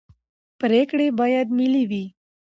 پرېکړې باید ملي وي